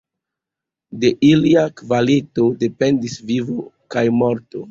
De ilia kvalito dependis vivo kaj morto.